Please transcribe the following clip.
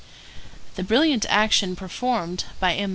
The brilliant action performed by M.